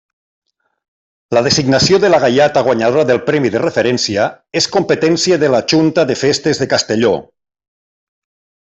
La designació de la gaiata guanyadora del premi de referència és competència de la Junta de Festes de Castelló.